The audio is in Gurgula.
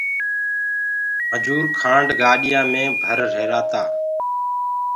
مجوٚر کآنڊ گاڏيآنٚ مي ڀر رهيرآ تآ۔